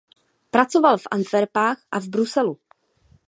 Pracoval v Antverpách a v Bruselu.